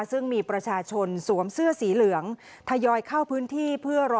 ซึ่งมีประชาชนสวมเสื้อสีเหลืองทยอยเข้าพื้นที่เพื่อรอ